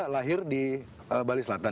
lahir di bali selatan